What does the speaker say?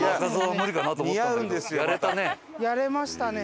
やれましたね。